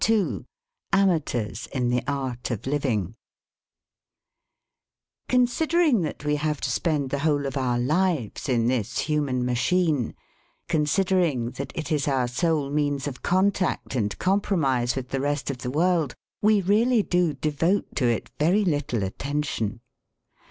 II AMATEURS IN THE ART OF LIVING Considering that we have to spend the whole of our lives in this human machine, considering that it is our sole means of contact and compromise with the rest of the world, we really do devote to it very little attention.